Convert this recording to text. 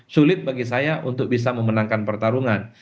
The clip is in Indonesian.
sulit bagi saya untuk bisa memenangkan pertarungan